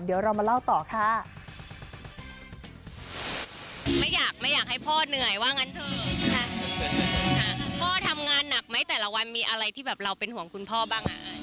เดี๋ยวเรามาเล่าต่อค่ะ